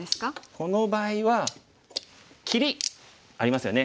この場合は切りありますよね。